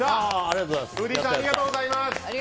フーディーさんありがとうございます。